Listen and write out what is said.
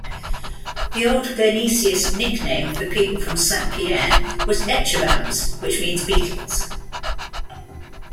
The old Guernesiais nickname for people from Saint Pierre was "etcherbaots" which means beetles.